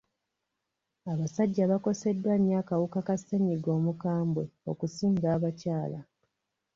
Abasajja bakoseddwa nnyo akawuka ka ssennyiga omukambwe okusinga abakyala.